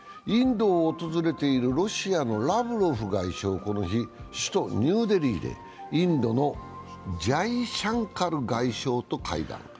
インドを訪れているロシアのラブロフ外相、この日、首都ニューデリーでインドのジャイシャンカル外相と会談。